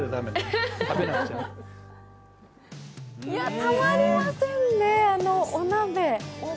たまりませんね、あのお鍋。